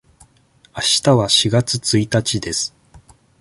あしたは四月一日です。